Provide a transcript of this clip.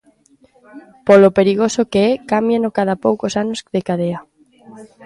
Polo perigoso que é cámbieno cada poucos anos de cadea.